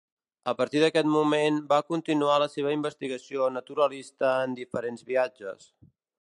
A partir d'aquest moment, va continuar la seva investigació naturalista en diferents viatges.